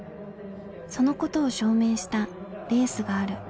そのことを証明したレースがある。